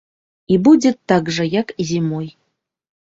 І будзе так жа, як і зімой.